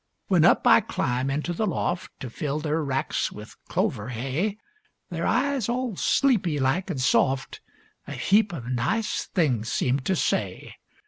When up I climb into the loft To fill their racks with clover hay, Their eyes, all sleepy like and soft, A heap of nice things seem to say.